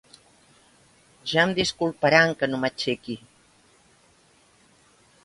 Ja em disculparan que no m'aixequi...